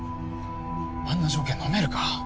あんな条件のめるか。